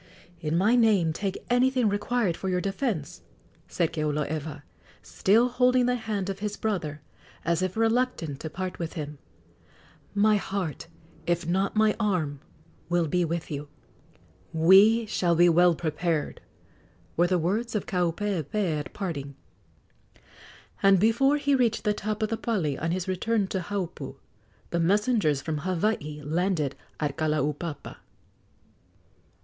"In my name take anything required for your defence," said Keoloewa, still holding the hand of his brother, as if reluctant to part with him; "my heart, if not my arm, will be with you!" "We shall be well prepared," were the words of Kaupeepee at parting; and before he reached the top of the pali on his return to Haupu, the messengers from Hawaii landed at Kalaupapa.